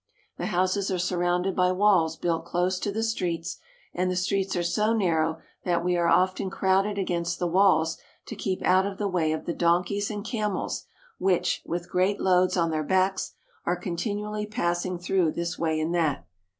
The houses are surrounded by walls built close to the streets, and the streets are so narrow that we are often crowded against the walls to keep out of the way of the donkeys and camels which, with great loads on their backs, are continually passing through this way and that.